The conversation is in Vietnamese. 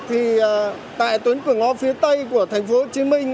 thì tại tuyến cửa ngõ phía tây của thành phố hồ chí minh